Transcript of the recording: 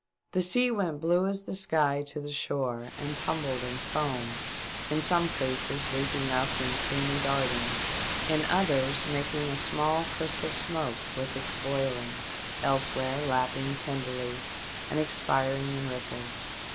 The sea went blue as the sky to the shore and tumbled into foam, in some places leaping up in creamy dartlngs, in others making a small crystal smoke with its boiling, elsewhere lapping tenderly and ex piring in ripples.